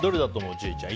千里ちゃん。